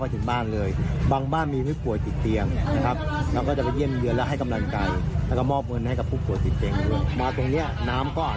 ใจงามจริงจริงอ่ะฟังเสียงหน่อยค่ะ